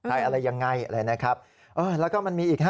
อะไรยังไงอะไรนะครับเออแล้วก็มันมีอีกฮะ